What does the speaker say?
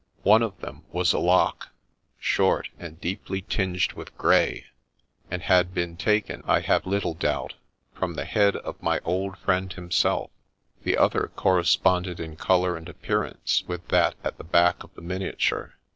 One of them was a lock, short, and deeply tinged with grey, and had been taken, I have little doubt, from the head of my old friend him self ; the other corresponded in colour and appearance with that at the back of the miniature.